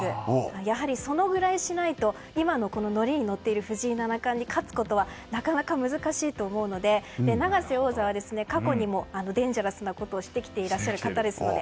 やはり、そのぐらいしないと今のノリに乗っている藤井七冠に勝つことはなかなか難しいと思うので永瀬王座は過去にもデンジャラスなことをしてきていらっしゃる方なので。